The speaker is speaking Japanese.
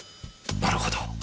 なるほど。